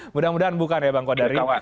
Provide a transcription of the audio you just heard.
mudah mudahan bukan ya bang kodari